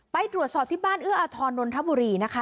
ไปตรวจสอบที่บ้านเอื้ออาทรนนทบุรีนะคะ